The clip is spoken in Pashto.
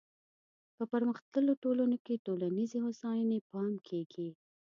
په پرمختللو ټولنو کې ټولنیزې هوساینې پام کیږي.